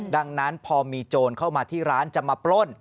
ดังนั้นพอมีโจรเข้ามาที่ร้านจะมาปล้น